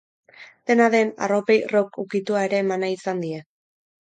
Dena den, arropei rock ukitua ere eman nahi izan die.